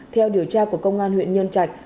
theo điều tra của công an huyện nhân trạch